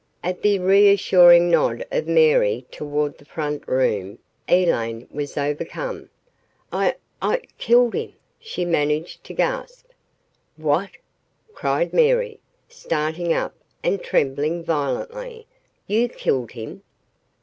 At the reassuring nod of Mary toward the front room, Elaine was overcome. "I I killed him!" she managed to gasp. "What?" cried Mary, starting up and trembling violently. "You killed him?"